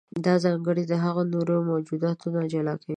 دا ځانګړنه هغه د نورو موجوداتو نه جلا کوي.